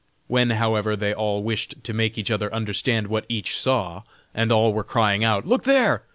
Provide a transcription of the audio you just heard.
When, however, they all wished to make each other understand what each saw, and all were crying out: "Look there!